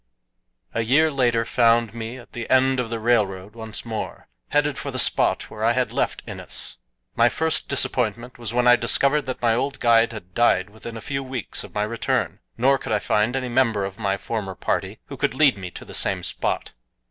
A year later found me at the end of the railroad once more, headed for the spot where I had left Innes. My first disappointment was when I discovered that my old guide had died within a few weeks of my return, nor could I find any member of my former party who could lead me to the same spot.